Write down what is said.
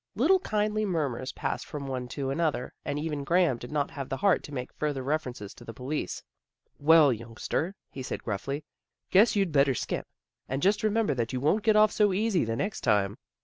Little kindly murmurs passed from one to another, and even Graham did not have the heart to make further references to the police. " Well, youngster," he THE BAZAR 115 said gruffly, " guess you'd better skip. And just remember that you won't get off so easy the next time."